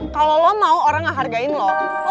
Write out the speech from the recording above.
kalau lo mau orang ngehargain lo